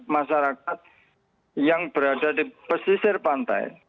masyarakat yang berada di pesisir pantai